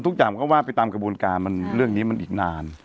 ทุกอย่างมันก็ว่าไปตามกระบวนการมันเรื่องนี้มันอีกนาน